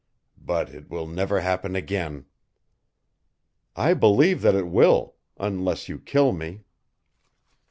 But it will never happen again." "I believe that it will unless you kill me."